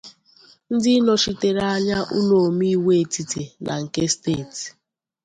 ndị nọchitere anya ụlọ omeiwu etiti na nke steeti